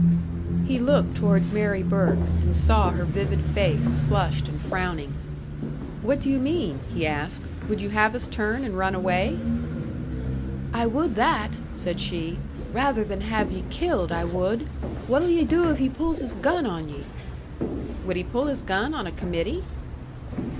He looked towards Mary Burke, and saw her vivid face, flushed and frowning. "What do you mean?" he asked. "Would you have us turn and run away?" "I would that!" said she. "Rather than have ye killed, I would! What'll ye do if he pulls his gun on ye?" "Would he pull his gun on a committee?"